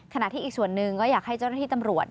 ขณะที่อีกส่วนหนึ่งก็อยากให้เจ้าหน้าที่ตำรวจ